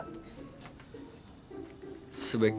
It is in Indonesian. nanti aku mau ke rumah